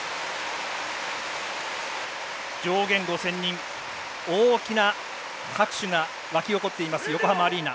上限５０００人大きな拍手が沸き起こっています横浜アリーナ。